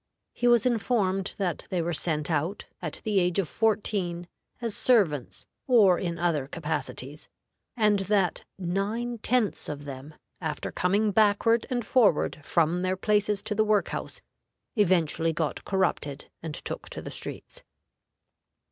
He was informed that they were sent out, at the age of fourteen, as servants or in other capacities, and that nine tenths of them, after coming backward and forward from their places to the work house, eventually got corrupted and took to the streets.